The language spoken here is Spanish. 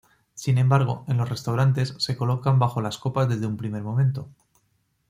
Sin embargo, en los restaurantes, se colocan bajo las copas desde un primer momento.